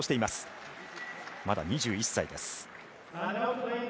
まだ２１歳です。